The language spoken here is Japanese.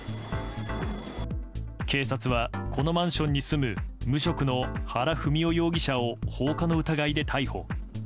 警察は、このマンションに住む無職の原文雄容疑者を放火の疑いで逮捕。